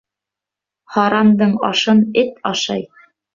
Һарандың ашын эт ашай.